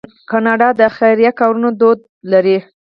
کاناډا د خیریه کارونو دود لري.